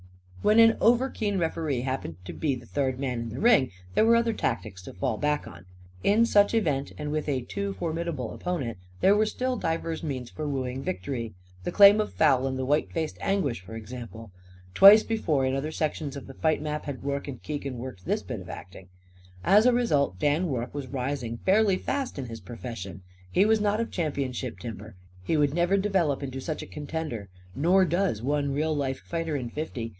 When an overkeen referee happened to be the third man in the ring there were other tactics to fall back on. In such event and with a too formidable opponent, there were still divers means for wooing victory the claim of foul and the white faced anguish, for example. Twice before, in other sections of the fight map, had Rorke and Keegan worked this bit of acting. As a result Dan Rorke was rising fairly fast in his profession. He was not of championship timber. He would never develop into such a contender; nor does one real life fighter in fifty.